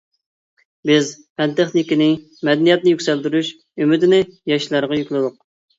بىز پەن-تېخنىكىنى، مەدەنىيەتنى يۈكسەلدۈرۈش ئۈمىدىنى ياشلارغا يۈكلىدۇق.